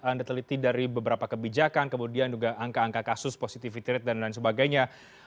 anda teliti dari beberapa kebijakan kemudian juga angka angka kasus positivity rate dan lain sebagainya